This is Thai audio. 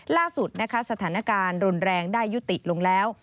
ล่าสุดนะคะสถานการณ์รุนแรงได้ยุติลงแล้ว